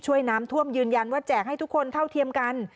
ช่วยน้ำท่วมยืนยันว่าแจกให้ทุกคนเท่าเทียมกัน